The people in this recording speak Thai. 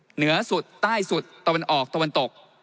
เหนือสุดใต้สุดตะวันออกตะวันตก